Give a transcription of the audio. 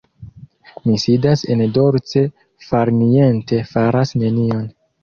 Mi sidas en dolce farniente, faras nenion.